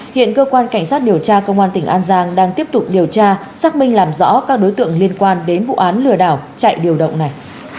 hiện cơ quan cảnh sát điều tra công an tỉnh an giang đang tiếp tục điều tra xác minh làm rõ các đối tượng liên quan đến vụ án lừa đảo chạy điều động này